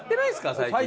最近。